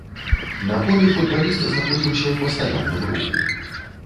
На полі футбаліст знаходзіўся ў пастаянным руху.